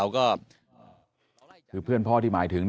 ก็คือเพื่อนพ่อที่หมายถึง